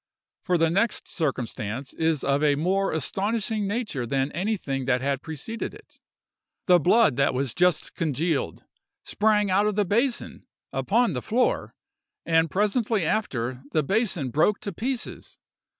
For the next circumstance is of a more astonishing nature than anything that had preceded it: the blood that was just congealed, sprang out of the basin upon the floor, and presently after the basin broke to pieces!